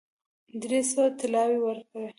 درې سوه طلاوي ورکړې.